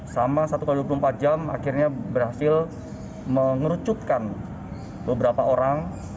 selama satu x dua puluh empat jam akhirnya berhasil mengerucutkan beberapa orang